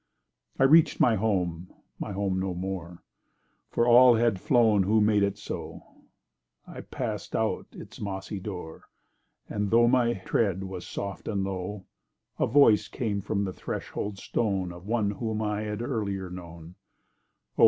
I reach'd my home—my home no more— For all had flown who made it so— I pass'd from out its mossy door, And, tho' my tread was soft and low, A voice came from the threshold stone Of one whom I had earlier known— O!